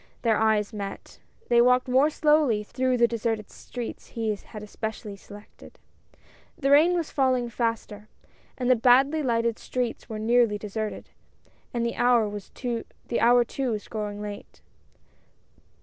Their eyes met. They walked more slowly through the deserted streets he had especially selected. The rain was falling faster, and the badly lighted streets were nearly deserted, and the hour too was growing late.